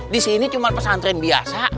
disini cuma pesantren biasa